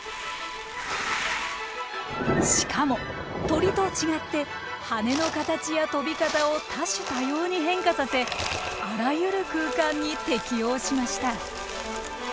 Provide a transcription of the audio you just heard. しかも鳥と違って羽の形や飛び方を多種多様に変化させあらゆる空間に適応しました。